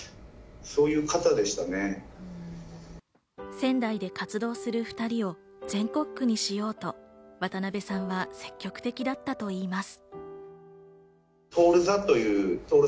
仙台で活動する２人を全国区にしようと渡辺さんは積極的だったといいます。